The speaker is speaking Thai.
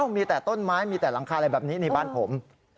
มีแต่ต้นไม้มีแต่หลังคาอะไรแบบนี้ในบ้านผม